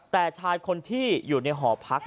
แต่ชายคนที่อยู่ในหอพัก